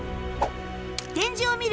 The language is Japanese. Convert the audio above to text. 展示を見る